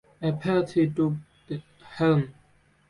Apathy Took Helm!